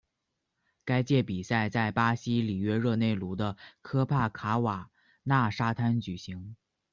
该届比赛在巴西里约热内卢的科帕卡瓦纳沙滩举行。